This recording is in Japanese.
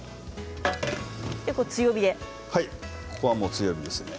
強火ですね。